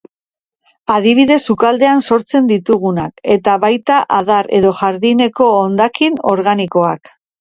Adibidez sukaldean sortzen ditugunak, eta baita adar edo jardineko hondakin organikoak.